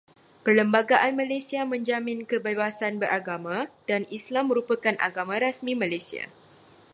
Perlembagaan Malaysia menjamin kebebasan beragama, dan Islam merupakan agama rasmi Malaysia.